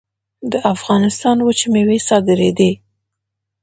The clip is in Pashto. د افغانستان وچې میوې صادرېدې